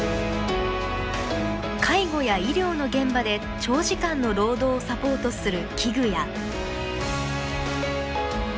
介護や医療の現場で長時間の労働をサポートする器具や。